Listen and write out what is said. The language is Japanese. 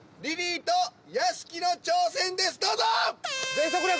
全速力！